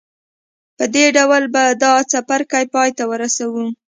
په دې ډول به دا څپرکی پای ته ورسوو.